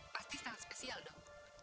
pasti sangat spesial pak